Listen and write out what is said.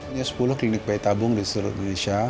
ini sepuluh klinik bayi tabung di seluruh indonesia